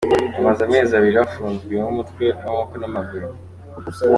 Bamaze amezi abiri bafunzwe umutwe, amaboko n’amaguru